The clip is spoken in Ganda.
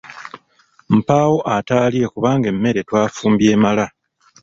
Mpaawo ataalye kubanga emmere twafumbye emala.